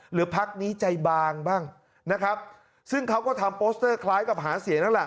หรือพักนี้ใจบางบ้างซึ่งเขาก็ทำโปสเตอร์คล้ายกับหาเสียงนั่นแหละ